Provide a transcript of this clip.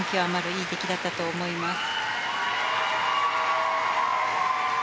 いい出来だったと思います。